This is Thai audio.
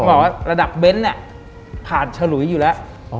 บอกว่าระดับเบนท์เนี่ยผ่านฉลุยอยู่แล้ว